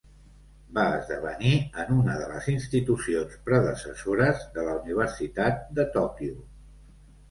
Va esdevenir en una de les institucions predecessores de la Universitat de Tòquio.